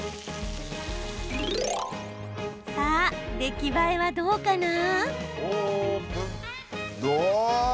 さあ、出来栄えはどうかな？